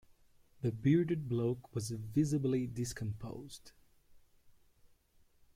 The bearded bloke was visibly discomposed.